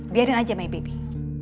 biarin aja my baby